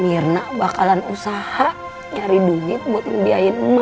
mirna bakalan usaha nyari duit buat ngebiain ma